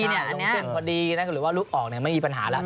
ลงเสียงพอดีหรือว่าลูกออกไม่มีปัญหาแล้ว